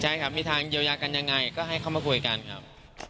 ใช่ครับมีทางเยียวยากันยังไงก็ให้เข้ามาคุยกันครับ